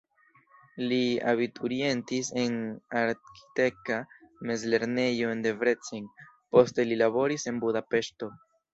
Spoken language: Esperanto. Li abiturientis en arkitekta mezlernejo en Debrecen, poste li laboris en Budapeŝto.